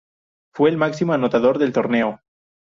Fue el máximo anotador del torneo.